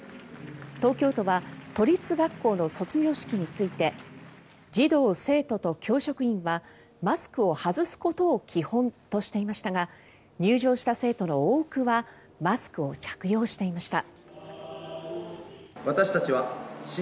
東京都は都立学校の卒業式について児童・生徒と教職員はマスクを外すことを基本としていましたが入場した生徒の多くはマスクを着用していました。